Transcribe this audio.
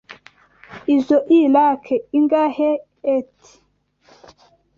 Izoi rack ingaheet?